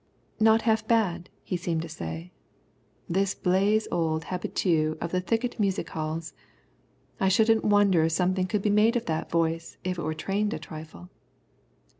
"Not half bad," he seemed to say, this blasé old habitué of the thicket music halls. "I shouldn't wonder if something could be made of that voice if it were trained a trifle."